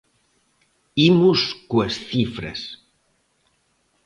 Imos coas cifras.